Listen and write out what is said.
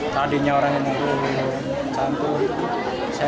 tadinya orang yang nanggu cantuh